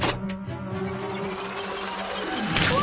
うわ！